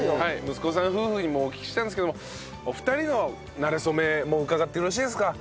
息子さん夫婦にもお聞きしたんですけどもお二人のなれ初めもうかがってよろしいですか？